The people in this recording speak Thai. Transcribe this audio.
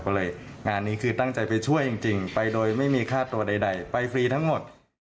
ก็เลยงานนี้คือตั้งใจไปช่วยจริงไปโดยไม่มีค่าตัวใดไปฟรีทั้งหมด